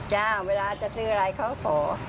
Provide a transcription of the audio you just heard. เวลาจะซื้ออะไรเขาขอ